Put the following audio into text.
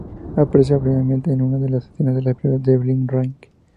Aparece brevemente en una de las escenas de la película "The Bling Ring".